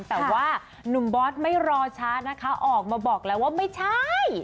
แต่ว่านุ่มบอสไม่รอช้านะคะออกมาบอกแล้วว่าไม่ใช่